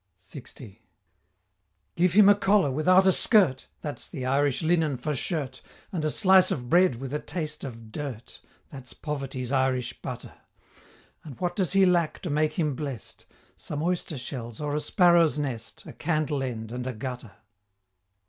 LX. Give him a collar without a skirt, (That's the Irish linen for shirt) And a slice of bread with a taste of dirt, (That's Poverty's Irish butter) And what does he lack to make him blest? Some oyster shells, or a sparrow's nest, A candle end and a gutter.